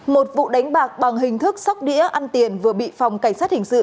một vụ đánh bạc bằng hình thức sóc đĩa ăn tiền vừa bị phòng cảnh sát hình sự